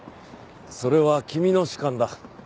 それは君の主観だ。